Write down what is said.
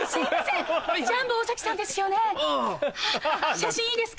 写真いいですか？